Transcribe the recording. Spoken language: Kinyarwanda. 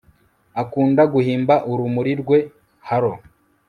akunda guhimba urumuri rwe halo